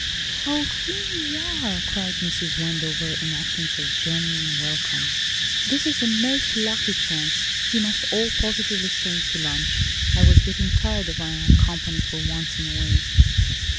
"Oh, here you are!" cried Mrs. Wendover, in accents of genuine welcome. "This is the most lucky chance. You must all positively stay to lunch. I was getting tired of my own company for once in a way.